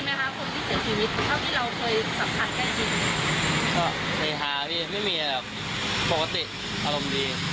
แต่เขาบอกว่าไม่ได้เกรงอะไรอย่างนี้